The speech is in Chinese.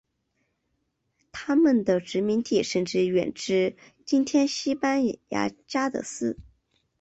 他们的殖民地甚至远至今天西班牙加的斯。